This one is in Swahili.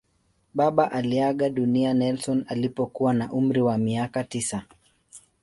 Baba aliaga dunia Nelson alipokuwa na umri wa miaka tisa.